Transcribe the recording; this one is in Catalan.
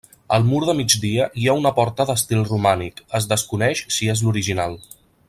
Al mur de migdia hi ha una porta d'estil romànic, es desconeix si és l'original.